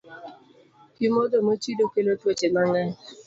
Pi modho mochido kelo tuoche mang'eny.